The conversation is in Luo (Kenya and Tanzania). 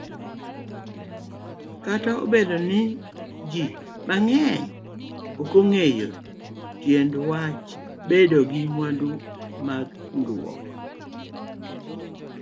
Kataobedo niji mang'eny okong'eyo tiendwach bedogi mwandu magringruok